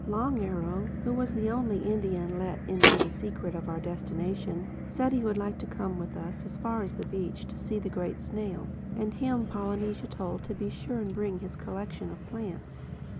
Long Arrow, who was the only Indian let into the secret of our destination, said he would like to come with us as far as the beach to see the Great Snail; and him Polynesia told to be sure and bring his collection of plants.